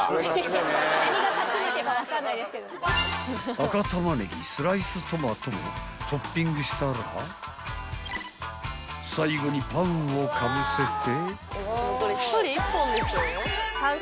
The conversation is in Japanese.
［赤玉ねぎスライストマトもトッピングしたら最後にパンをかぶせて］